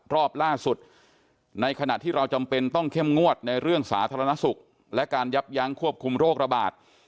รอบล่าสุดในขณะที่เราจำเป็นต้องเข้มงวดในเรื่องสาธารณสุขและการยับยั้งควบคุมโรคระบาด